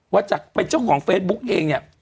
ว่าจากเป็นเจ้าของเฟซบุ๊กเองเนี่ย